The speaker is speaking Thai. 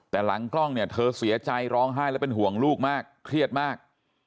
แต่หลังกล้องเนี่ยเธอเสียใจร้องไห้และเป็นห่วงลูกมากเครียดมาก